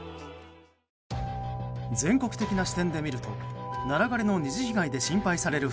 全国的な視点で見るとナラ枯れの２次被害で心配される